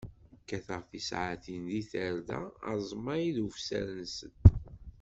Kkateɣ d tisaɛtin di tarda, aẓmay d ufsar-nsent.